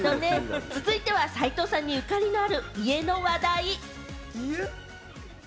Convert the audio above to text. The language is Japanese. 続いては、齊藤さんにゆかりのある家の話題。